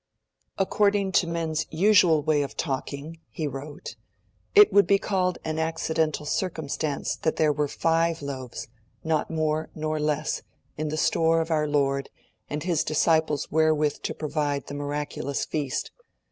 'According to men's usual way of talking,' he wrote, 'it would be called an accidental circumstance that there were five loaves, not more nor less, in the store of Our Lord and His disciples wherewith to provide the miraculous feast.